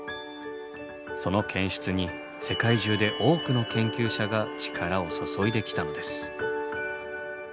その検出に世界中で多くの研究者が力を注いできたのです。